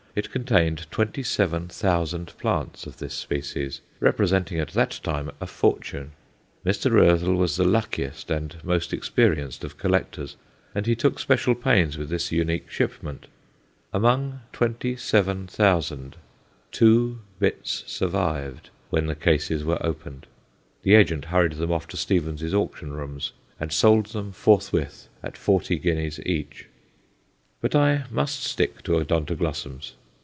It contained twenty seven thousand plants of this species, representing at that time a fortune. Mr. Roezl was the luckiest and most experienced of collectors, and he took special pains with this unique shipment. Among twenty seven thousand two bits survived when the cases were opened; the agent hurried them off to Stevens's auction rooms, and sold them forthwith at forty guineas each. But I must stick to Odontoglossums.